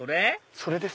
それです。